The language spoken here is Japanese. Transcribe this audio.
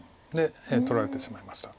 取られてしまいました。